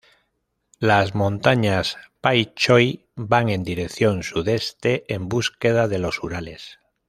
Las montañas Pay Choy van en dirección sudeste en búsqueda de los Urales.